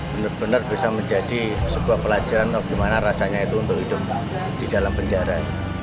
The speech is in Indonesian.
benar benar bisa menjadi sebuah pelajaran bagaimana rasanya itu untuk hidup di dalam penjara